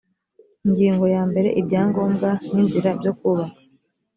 ingingo ya mbere ibyangombwa n inzira byo kubaka